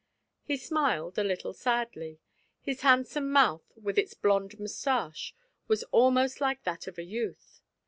He smiled, a little sadly. His handsome mouth, with its blond mustache, was almost like that of a youth.